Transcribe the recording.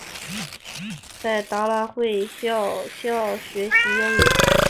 后在广州圣希理达教会学校学习英语。